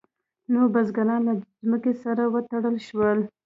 نوي بزګران له ځمکې سره وتړل شول.